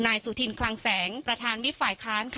นายสุถินขลังแสงประธานวิฝัยค้านค่ะ